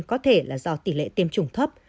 có thể là do tỷ lệ tiêm chủng thấp